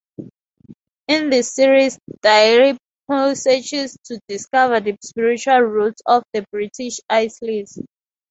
In this series Dalrymple searches to discover the spiritual roots of the British Isles.